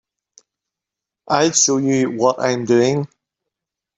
I'll show you what I'm doing.